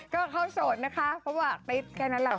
ก็เขาโสดนะคะเพราะว่าติ๊บแค่นั้นแหละ